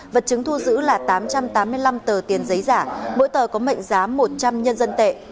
vật chứng thu giữ là tám trăm tám mươi năm tờ tiền giấy giả mỗi tờ có mệnh giá một trăm linh nhân dân tệ